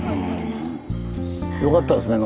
よかったですね